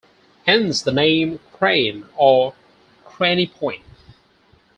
Hence the name "Crayne" or "Craney Point.